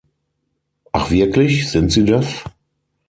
Ach wirklich, sind sie das?